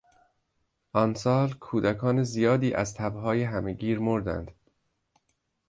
آن سال کودکان زیادی از تب های همه گیر مردند.